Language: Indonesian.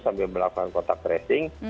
sambil melakukan kontak tracing